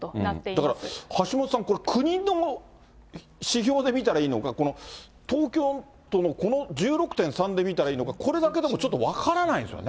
だから橋下さん、これ、国の指標で見たらいいのか、この東京都のこの１６．３で見たらいいのか、これだけでもちょっと分からないんですよね。